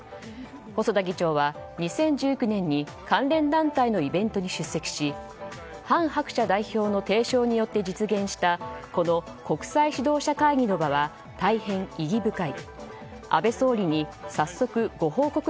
細田議長は２０１９年に関連団体のイベントに出席し韓鶴子代表の提唱によって実現したこの国際指導者会議の場は大変意義深い。